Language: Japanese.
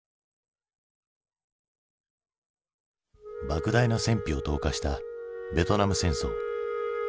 ばく大な戦費を投下したベトナム戦争。